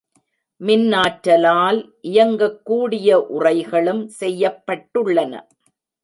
மின்னாற்றலால் இயங்கக் கூடிய உறைகளும் செய்யப்பட்டுள்ளன.